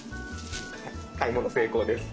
買い物成功です。